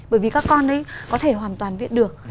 bởi vì các con ấy có thể hoàn toàn viện được